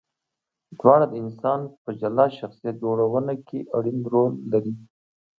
دواړه د انسان په جلا شخصیت جوړونه کې اړین رول لري.